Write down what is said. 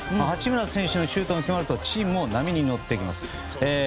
八村選手がシュートが決まるとチームも波に乗ってきます。